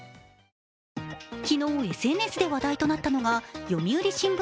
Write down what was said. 昨日、ＳＮＳで話題となったのが読売新聞